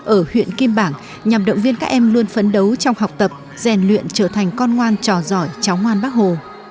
ở huyện kim bảng nhằm động viên các em luôn phấn đấu trong học tập rèn luyện trở thành con ngoan trò giỏi cháu ngoan bác hồ